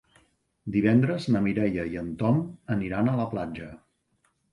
Divendres na Mireia i en Tom aniran a la platja.